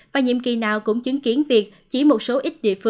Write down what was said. và nhiệm kỳ nào cũng chứng kiến việc chỉ một số ít địa phương